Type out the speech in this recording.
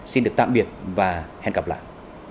xin được tạm biệt và hẹn gặp lại